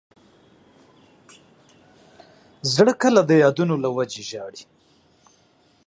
زړه کله د یادونو له وجې ژاړي.